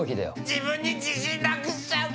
自分に自信なくしちゃうけどなぁ！